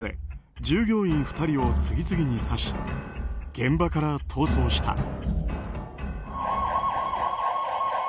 男は持っていた刃物で従業員２人を次々に刺し現場から逃走した。